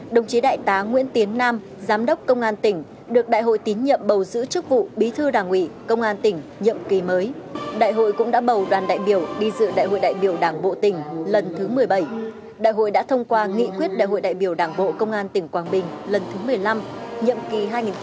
đồng chí đại tá nguyễn tiến nam giám đốc công an tỉnh được đại hội tín nhiệm bầu giữ chức vụ bí thư đảng ủy công an tỉnh nhiệm kỳ mới đại hội cũng đã bầu đoàn đại biểu đi dự đại hội đại biểu đảng bộ tỉnh lần thứ một mươi bảy đại hội đã thông qua nghị quyết đại hội đại biểu đảng bộ công an tỉnh quảng bình lần thứ một mươi năm nhiệm kỳ hai nghìn hai mươi hai nghìn hai mươi năm